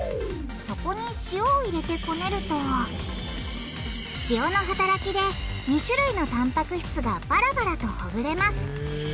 そこに塩を入れてこねると塩の働きで２種類のタンパク質がバラバラとほぐれます。